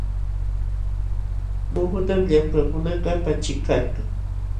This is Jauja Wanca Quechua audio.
Muhutam llamkaqkunakaq paćhiykalka.